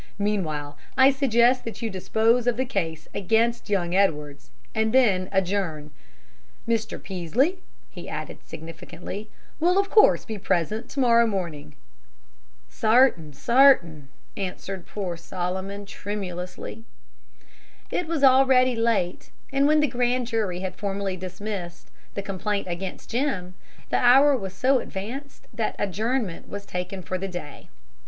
Meanwhile, I suggest that you dispose of the case against young Edwards, and then adjourn. Mr. Peaslee," he added significantly, "will of course be present to morrow morning." "Sartain, sartain," answered poor Solomon, tremulously. It was already late, and when the grand jury had formally dismissed the complaint against Jim, the hour was so advanced that adjournment was taken for the day.